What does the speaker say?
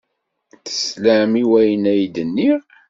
Teslam i wayen ay d-nniɣ?